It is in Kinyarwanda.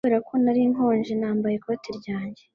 Kubera ko nari nkonje, nambaye ikoti ryanjye.